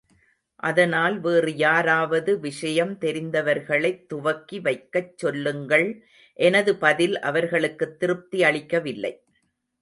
அதனால் வேறு யாராவது விஷயம் தெரிந்தவர்களைத் துவக்கி வைக்கச் சொல்லுங்கள் எனது பதில் அவர்களுக்குத் திருப்தி அளிக்கவில்லை.